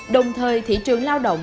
đồng thời thị trường lao động